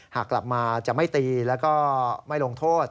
หากกลับมาจะไม่ตีแล้วก็ไม่ลงโทษ